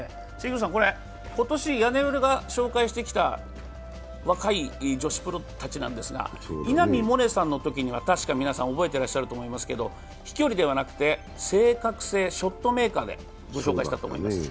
今年、屋根裏が紹介してきた若い女子プロたちなんですが、稲見萌寧さんのときにはたしか飛距離ではなくて正確性、ショットメーカーでご紹介したと思います。